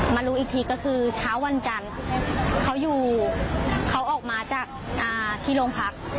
รู้อีกทีก็คือเช้าวันจันทร์เขาอยู่เขาออกมาจากที่โรงพัก